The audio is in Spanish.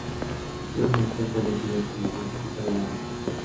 Posteriormente fue elegido como Congresista de la República.